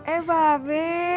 eh mbak abe